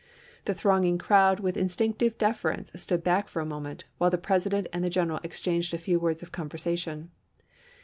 The thronging crowd with instinctive deference stood back for a moment, while the President and the general exchanged a few words of conversation.